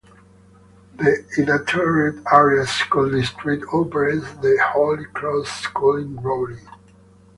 The Iditarod Area School District operates the Holy Cross School in Grayling.